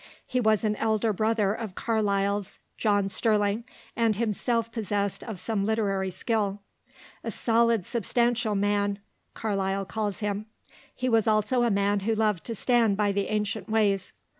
He was an elder brother of Carlyle's John Sterling, and himself possessed of some literary skill. "A solid, substantial man," Carlyle calls him; he was also a man who loved to stand by the ancient ways.